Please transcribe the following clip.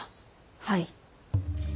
はい。